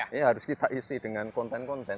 ini harus kita isi dengan konten konten